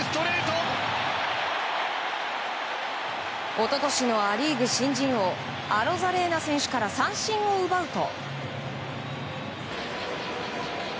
一昨年のア・リーグ新人王アロザレーナ選手から三振を奪うと。